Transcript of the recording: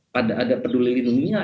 pada ada peduli lindunginya